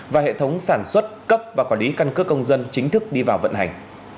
và hệ thống sản xuất cấp và quản lý căn cước công dân chính thức đi vào vận hành